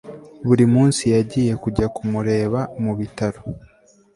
buri munsi yagiye kujya kumureba mu bitaro